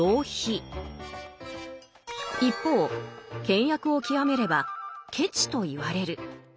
一方倹約を極めれば「ケチ」と言われる。